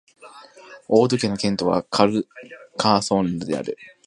オード県の県都はカルカソンヌである